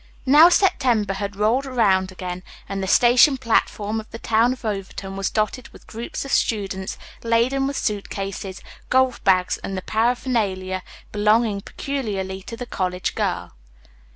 Now September had rolled around again and the station platform of the town of Overton was dotted with groups of students laden with suit cases, golf bags and the paraphernalia belonging peculiarly to the college girl.